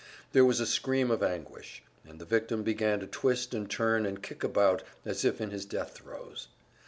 There was a scream of anguish, and the victim began to twist and turn and kick about as if in his death throes.